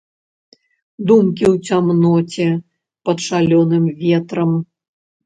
Думкі ў цямноце пад шалёным ветрам.